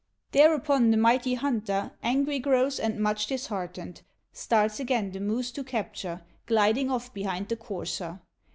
Thereupon the mighty hunter Angry grows, and much disheartened, Starts again the moose to capture, Gliding off behind the courser.